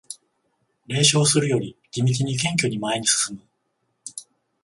冷笑するより地道に謙虚に前に進む